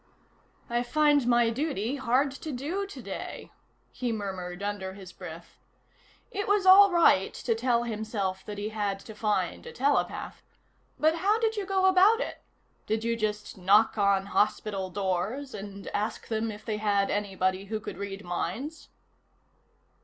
"I find my duty hard to do today," he murmured under his breath. It was all right to tell himself that he had to find a telepath. But how did you go about it? Did you just knock on hospital doors and ask them if they had anybody who could read minds?